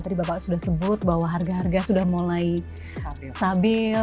tadi bapak sudah sebut bahwa harga harga sudah mulai stabil